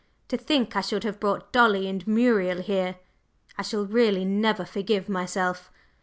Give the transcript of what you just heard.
To think I should have brought Dolly and Muriel here! I shall really never forgive myself!